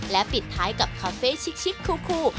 และปิดท้ายกับคาเฟ่ชิคคู